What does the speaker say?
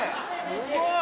すごい！